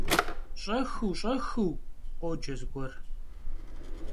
Ş'exıu, ş'exıu! - khoce zıguer.